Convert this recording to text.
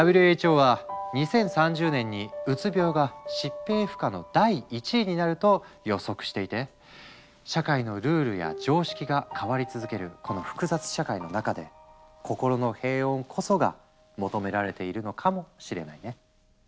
ＷＨＯは「２０３０年にうつ病が疾病負荷の第１位になる」と予測していて社会のルールや常識が変わり続けるこの複雑社会の中で「心の平穏」こそが求められているのかもしれないね。